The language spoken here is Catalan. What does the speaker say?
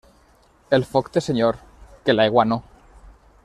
El foc té senyor, que l'aigua no.